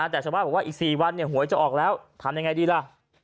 แต่ชาวบ้านบอกว่าอีก๔วันหวยจะออกแล้วทำยังไงดีล่ะ